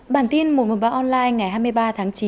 bản tin một trăm một mươi ba online ngày hai mươi ba tháng chín